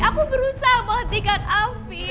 aku berusaha menghentikan afi